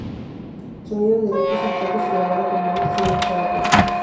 Sonido directo, sin retoques y grabado como antes, en una sola toma.